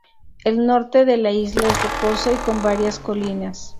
El norte de la isla es rocoso y con varias colinas.